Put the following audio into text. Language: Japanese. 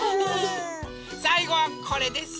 さいごはこれです。